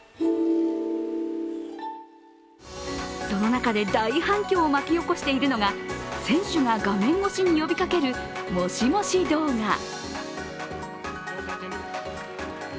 その中で大反響を巻き起こしているのが選手が画面越しに呼びかけるもしもし動画。